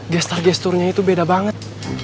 gestur gesturnya itu beda banget